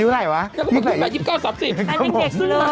อยู่ไหนวะ๒๘๒๙๓๐มันเป็นเด็กซึ่งเลย